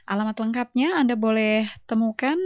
alamat lengkapnya anda boleh temukan